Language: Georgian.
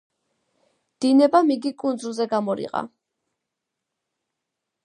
დინებამ იგი კუნძულზე გამორიყა.